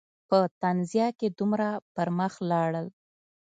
په تنزیه کې دومره پر مخ لاړل.